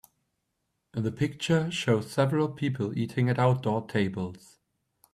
The picture shows several people eating at outdoor tables.